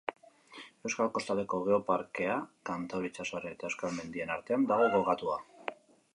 Euskal Kostaldeko Geoparkea Kantauri itsasoaren eta euskal mendien artean dago kokatua.